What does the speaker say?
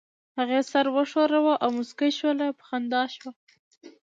هغې سر وښوراوه او موسکۍ شول، په خندا شوه.